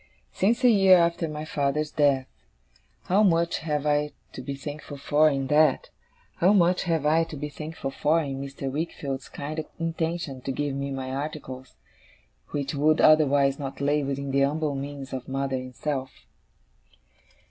'Since a year after my father's death. How much have I to be thankful for, in that! How much have I to be thankful for, in Mr. Wickfield's kind intention to give me my articles, which would otherwise not lay within the umble means of mother and self!